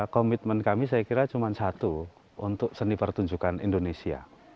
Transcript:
komitmen kami saya kira cuma satu untuk seni pertunjukan indonesia